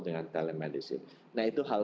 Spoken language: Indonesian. dengan telemedicine nah itu hal